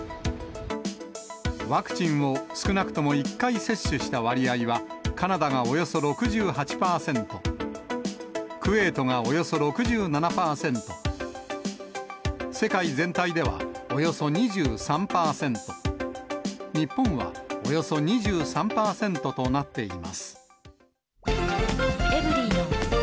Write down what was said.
ワクチンを少なくとも１回接種した割合は、カナダがおよそ６８％、クウェートがおよそ６７％、世界全体ではおよそ２３％、日本はおよそ２３％となっています。